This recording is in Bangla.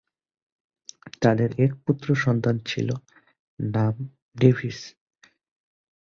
তাদের এক পুত্র সন্তান ছিল, নাম ডেভিস।